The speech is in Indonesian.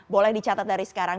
boleh dicatat dari sekarang